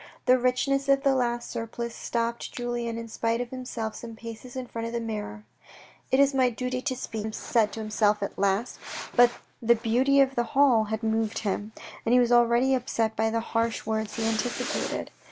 The richness of the lace surplice stopped Julien in spite of himself some paces in front of the mirror. " It is my duty to speak," he said to himself at last. But the beauty of the hall had moved him, and he was already upset by the harsh words he anticipated.